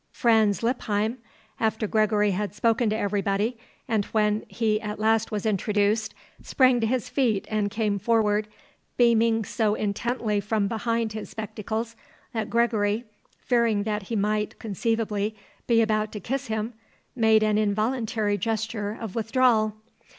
Franz Lippheim, after Gregory had spoken to everybody and when he at last was introduced, sprang to his feet and came forward, beaming so intently from behind his spectacles that Gregory, fearing that he might, conceivably, be about to kiss him, made an involuntary gesture of withdrawal.